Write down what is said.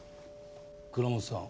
蔵本さん